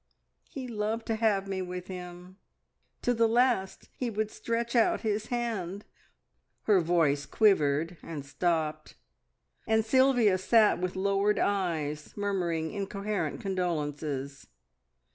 He loved to have me with him; to the last he would stretch out his hand " Her voice quivered and stopped, and Sylvia sat with lowered eyes, murmuring incoherent condolences.